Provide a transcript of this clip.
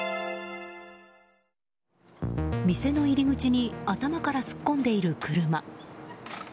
店の入り口に頭から突っ込んでいる車。